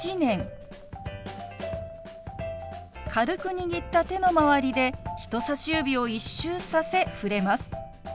軽く握った手の周りで人さし指を一周させ触れます。